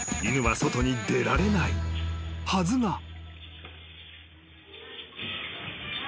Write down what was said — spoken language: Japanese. ［犬は外に出られないはずが］